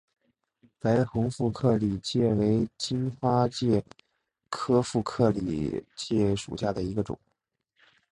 白虹副克里介为荆花介科副克里介属下的一个种。